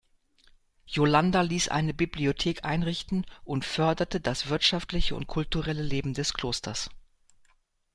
Yolanda ließ eine Bibliothek einrichten und förderte das wirtschaftliche und kulturelle Leben des Klosters.